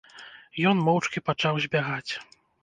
Ён моўчкі пачаў збягаць.